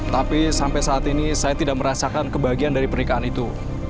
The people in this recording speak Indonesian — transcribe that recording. tapi sampai saat ini saya tidak merasakan kebahagiaan dari pernikahan itu